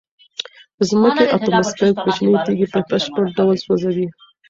د ځمکې اتموسفیر کوچنۍ تیږې په بشپړ ډول سوځوي.